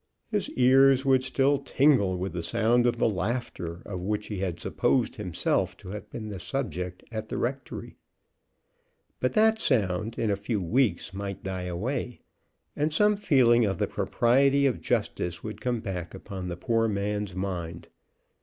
His ears would still tingle with the sound of the laughter of which he had supposed himself to have been the subject at the rectory. But that sound in a few weeks might die away, and some feeling of the propriety of justice would come back upon the poor man's mind.